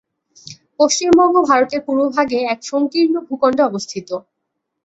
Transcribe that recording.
পশ্চিমবঙ্গ ভারতের পূর্বভাগে এক সংকীর্ণ ভূখণ্ডে অবস্থিত।